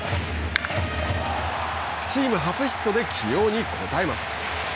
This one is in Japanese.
チーム初ヒットで起用に応えます。